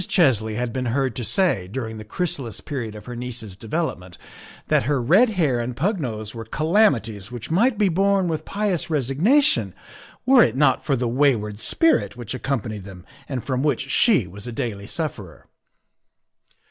Chesley had been heard to say, during the chrysalis period of her niece's development, that her red hair and pug nose were calamities which might be borne with pious resignation were it not for the wayward spirit which accompanied them and from which she was a daily sufferer.